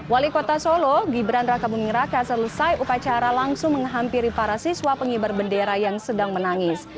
wali kota solo gibran raka buming raka selesai upacara langsung menghampiri para siswa pengibar bendera yang sedang menangis